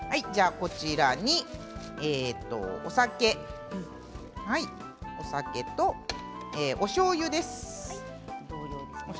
こちらに、お酒おしょうゆです。